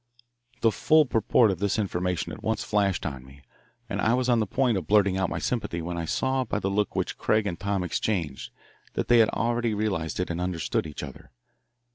The full purport of this information at once flashed on me, and I was on the point of blurting out my sympathy, when I saw by the look which Craig and Tom exchanged that they had already realised it and understood each other.